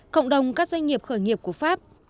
cộng đồng các doanh nghiệp khởi nghiệp của pháp